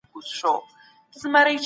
ذمي په اسلامي خاوره کي خوندي دی.